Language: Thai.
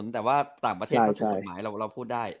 แต่ว่าตามประเภทอยู่กับกฎหมายแล้วเราพูดได้